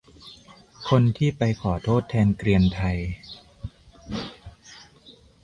คนที่ไปขอโทษแทนเกรียนไทย